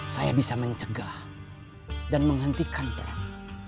saya bisa mencegah dan menghentikan perang